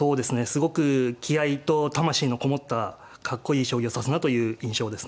すごく気合いと魂のこもったかっこいい将棋を指すなという印象ですね。